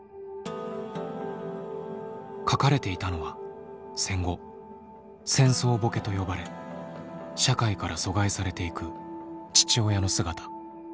書かれていたのは戦後「戦争ボケ」と呼ばれ社会から疎外されていく父親の姿。